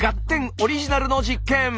オリジナルの実験！